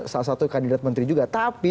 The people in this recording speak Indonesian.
salah satu kandidat menteri juga tapi